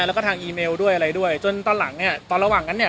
แล้วก็ทางอีเมลด้วยอะไรด้วยจนตอนหลังเนี่ยตอนระหว่างนั้นเนี่ย